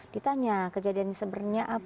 ditanya kejadian sebenarnya apa